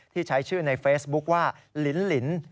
ที่ใช้ชื่อในเฟซบุ๊คว่าลิน